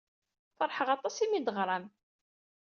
Feṛḥeɣ aṭas imi ay d-teɣram.